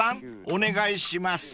お願いします］